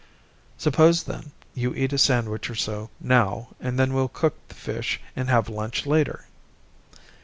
"Suppose then, you eat a sandwich or so, now, and then we'll cook the fish and have lunch later."